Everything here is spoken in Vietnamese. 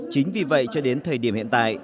chính vì vậy cho đến thời điểm hiện tại